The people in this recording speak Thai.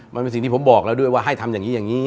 มันเป็นสิ่งที่ผมบอกแล้วด้วยว่าให้ทำอย่างนี้อย่างนี้